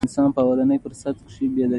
دا به څومره سخت وي.